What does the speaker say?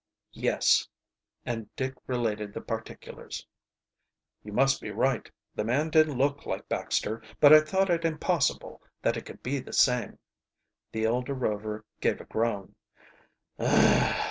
"Yes," and Dick related the particulars. "You must be right. The man did look like Baxter, but I thought it impossible that it could be the same." The elder Rover gave a groan.